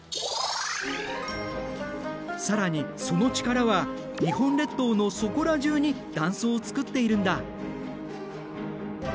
更にその力は日本列島のそこら中に断層を作っているんだ。